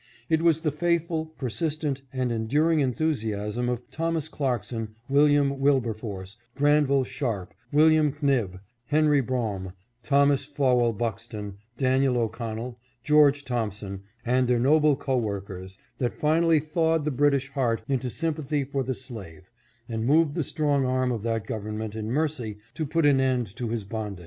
It was the faithful, persistent, and enduring enthusiam of Thomas Clarkson, William Wilberforce, Granville Sharpe, William Knibb, Henry Brougham, Thom as Fowell Buxton, Daniel O'Connell, George Thompson, and their noble co workers, that finally thawed the British heart into sympathy for the slave, and moved the strong arm of that government in mercy to put an end to his bondage.